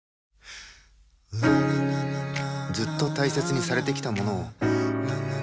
ずっと大切にされてきたものを